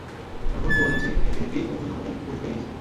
এখন বলছে এসিপি অর্জুন আমাদের খুঁজ পেয়ে গেছে।